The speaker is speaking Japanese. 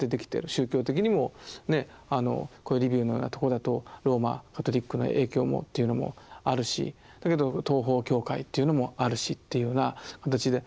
宗教的にもねあのこういうリビウのようなとこだとローマカトリックの影響もというのもあるしだけど東方教会というのもあるしというような形で。